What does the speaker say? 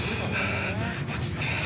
落ち着け。